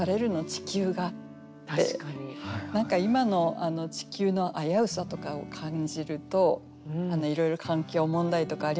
ちきゅうが」って何か今の地球の危うさとかを感じるといろいろ環境問題とかありますよね。